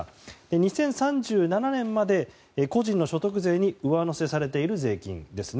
２０３７年まで個人の所得税に上乗せされている税金ですね。